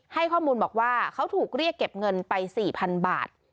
ให้ข้อมูลบอกว่าเขาถูกเรียกเก็บเงินไป๔๐๐๐บาท